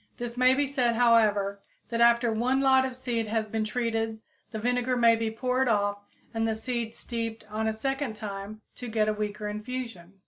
This may be said, however, that after one lot of seed has been treated the vinegar may be poured off and the seeds steeped a second time to get a weaker infusion.